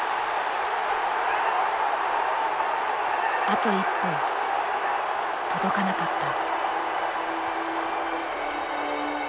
あと一歩届かなかった。